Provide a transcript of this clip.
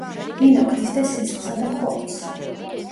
ნინო ქრისტეს სისხლსა და ხორცს.